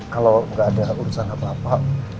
kalau nggak ada urusan apa apa